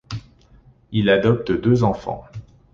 Il adopte deux enfants.